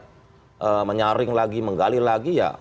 kalau menyaring lagi menggali lagi ya